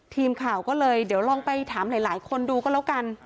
ทีมข่าวก็เลยเดี๋ยวลองไปถามหลายคนดูก็แล้วกัน